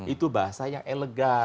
itu bahasa yang elegan